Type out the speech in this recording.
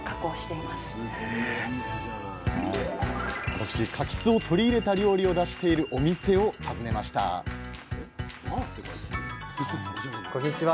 私柿酢を取り入れた料理を出しているお店を訪ねましたこんにちは。